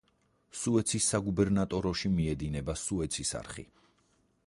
სუეცის საგუბერნატოროში მიედინება სუეცის არხი.